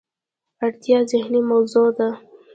اړتیا ذهني موضوع ده.